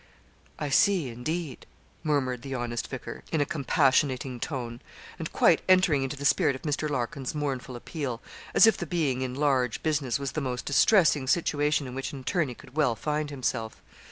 'I see, indeed,' murmured the honest vicar, in a compassionating tone, and quite entering into the spirit of Mr. Larkin's mournful appeal, as if the being in large business was the most distressing situation in which an attorney could well find himself.